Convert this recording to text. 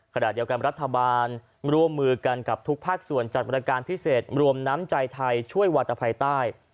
ขณะเดียวกันรัฐบาลร่วมมือกันกับทุกภาคส่วนจัดบริการพิเศษรวมน้ำใจไทยช่วยวาตภัยใต้